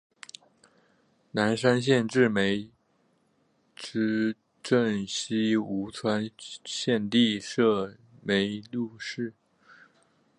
南山县治梅菉镇析吴川县地设梅菉市。